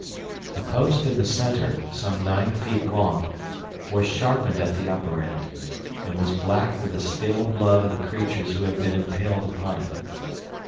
The post in the center, some nine feet long, was sharpened at the upper end, and was black with the stale blood of the creatures who had been impaled upon it.